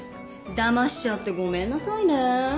だましちゃってごめんなさいね。